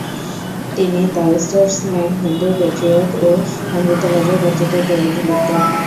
তিনি the Statesman, Hindu patriot ও অমৃতবাজার পত্রিকায় প্রবন্ধ লিখতেন।